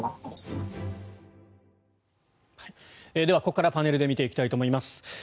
では、ここからパネルで見ていきたいと思います。